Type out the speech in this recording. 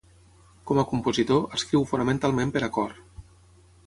Com a compositor, escriu fonamentalment per a cor.